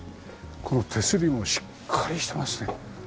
この手すりもしっかりしてますね。